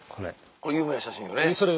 これ有名な写真よね。